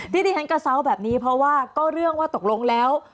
ที่ที่ฉันกระเซาแบบนี้เพราะว่าก็เรื่องว่าตกลงแล้ว